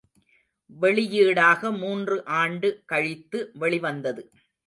வெளியீடாக மூன்று ஆண்டு கழித்து வெளிவந்தது.